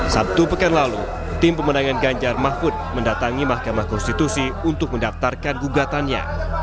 sabtu pekan lalu tim pemenangan ganjar mahfud mendatangi mahkamah konstitusi untuk mendaftarkan gugatannya